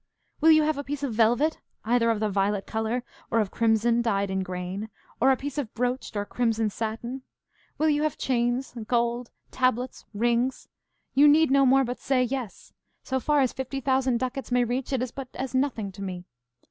Will you have a piece of velvet, either of the violet colour or of crimson dyed in grain, or a piece of broached or crimson satin? Will you have chains, gold, tablets, rings? You need no more but say, Yes; so far as fifty thousand ducats may reach, it is but as nothing to me.